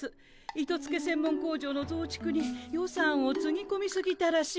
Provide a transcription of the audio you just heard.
糸つけ専門工場のぞうちくに予算をつぎこみすぎたらしいの。